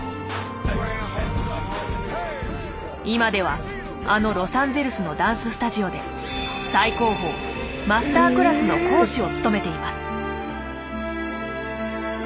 今ではあのロサンゼルスのダンススタジオで最高峰マスタークラスの講師を務めています。